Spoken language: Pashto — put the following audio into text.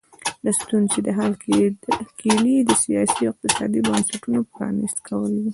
د ستونزې د حل کیلي د سیاسي او اقتصادي بنسټونو پرانیست کول وو.